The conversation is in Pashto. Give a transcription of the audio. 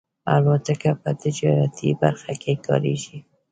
الوتکه په تجارتي برخه کې کارېږي.